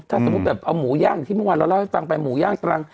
ถ้าสมมุติแบบเอาหมูย่างที่เมื่อวานเราเล่าให้ฟังไปหมูย่างตรัง